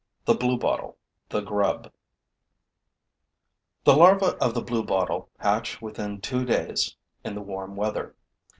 THE BLUEBOTTLE: THE GRUB The larvae of the bluebottle hatch within two days in the warm weather.